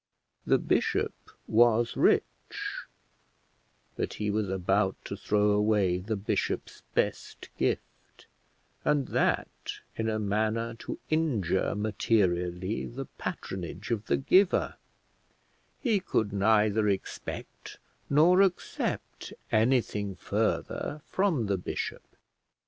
The bishop was rich, but he was about to throw away the bishop's best gift, and that in a manner to injure materially the patronage of the giver: he could neither expect nor accept anything further from the bishop.